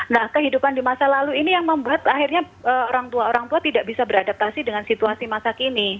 nah kehidupan di masa lalu ini yang membuat akhirnya orang tua orang tua tidak bisa beradaptasi dengan situasi masa kini